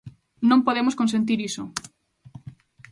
Non podemos consentir iso.